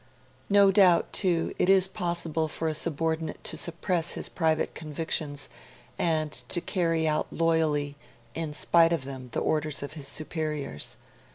No doubt, too, it is possible for a subordinate to suppress his private convictions and to carry out loyally, in spite of them, the orders of his superiors.